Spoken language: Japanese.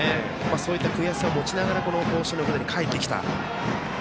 そういった悔しさを持ちながら甲子園の舞台に帰ってきた。